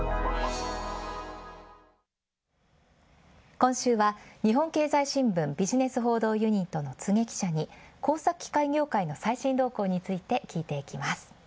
今週は日本経済新聞ビジネス報道ユニットの柘植記者に工作機械の最新動向について聞いていきます。